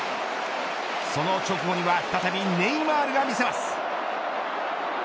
その直後には再びネイマールが見せます。